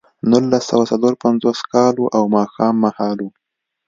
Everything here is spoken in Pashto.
نولس سوه څلور پنځوس کال و او ماښام مهال و